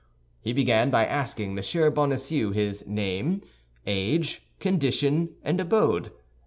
He began by asking M. Bonacieux his name, age, condition, and abode.